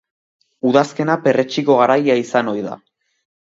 Udazkena perretxiko garaia izan ohi da.